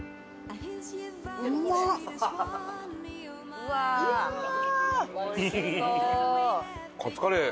うわー！